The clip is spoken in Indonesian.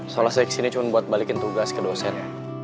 seolah saya kesini cuma buat balikin tugas ke dosen